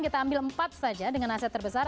kita ambil empat saja dengan aset terbesar